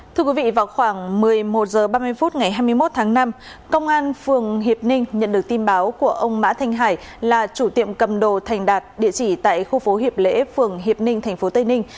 thưa quý vị vào khoảng một mươi một h ba mươi phút ngày hai mươi một tháng năm công an phường hiệp ninh nhận được tin báo của ông mã thanh hải là chủ tiệm cầm đồ thành đạt địa chỉ tại khu phố hiệp lễ phường hiệp ninh tp tây ninh